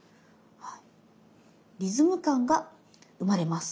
はい。